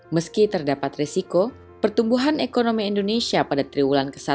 meski terdapat resiko pertumbuhan ekonomi indonesia pada triwulan ke satu